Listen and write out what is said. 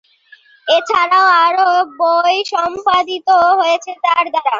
এছাড়াও আরও বই সম্পাদিত হয়েছে তার দ্বারা।